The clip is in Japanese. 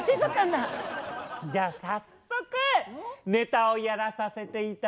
じゃあ早速ネタをやらさせて頂きます。